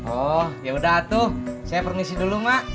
oh ya udah atuh saya permisi dulu mak